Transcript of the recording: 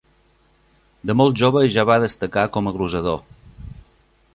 De molt jove ja va destacar com a glosador.